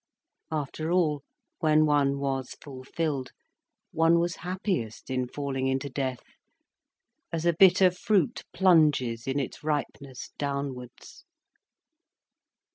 After all, when one was fulfilled, one was happiest in falling into death, as a bitter fruit plunges in its ripeness downwards.